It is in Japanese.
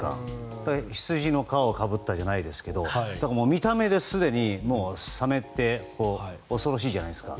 羊の皮をかぶったじゃないですけど見た目で、すでにサメって恐ろしいじゃないですか。